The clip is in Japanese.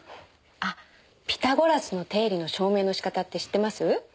あっピタゴラスの定理の証明の仕方って知ってます？